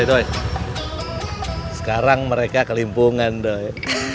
doi sekarang mereka kelimpungan doi